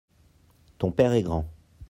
ton père est grand.